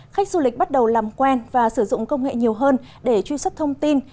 khách du lịch bắt đầu làm quen và sử dụng công nghệ nhiều hơn để truy xuất thông tin